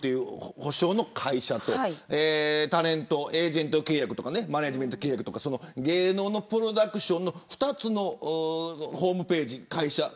補償の会社とタレント、エージェント契約とかマネジメント契約芸能のプロダクションの２つのホームページ、会社